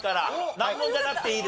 難問じゃなくていいですよ。